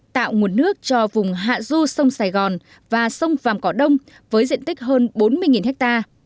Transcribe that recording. tạo nguồn nước cho vùng hạ du sông sài gòn và sông vàm cỏ đông với diện tích hơn bốn mươi ha